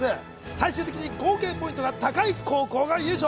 最終的に合計ポイントが大会高校が優勝。